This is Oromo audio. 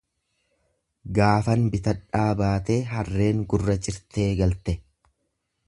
Gaafan bitadhaa baatee harreen gurra cirtee galte.